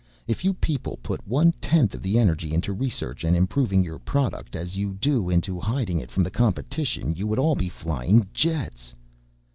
If you people put one tenth of the energy into research and improving your product as you do into hiding it from the competition, you would all be flying jets."